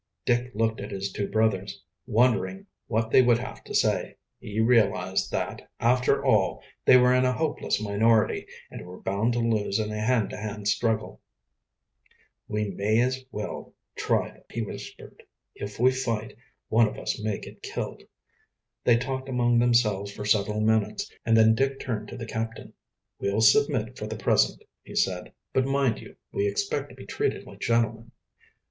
Dick looked at his two brothers, wondering what they would have to say. He realized that, after all, they were in a hopeless minority and were bound to lose in a hand to hand struggle. "We may as well try them," he whispered. "If we fight, one of us may get killed." They talked among themselves for several minutes, and then Dick turned to the captain. "We'll submit for the present," he said. "But, mind you, we expect to be treated like gentlemen."